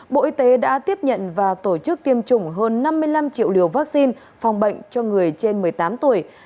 bộ y tế đã tiếp nhận và tổ chức tiêm chủng hơn năm mươi năm triệu liều vaccine phòng bệnh cho người trên một mươi tám tuổi